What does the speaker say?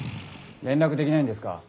連絡できないんですか？